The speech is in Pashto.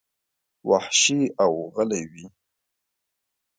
وحشي او غلي وې.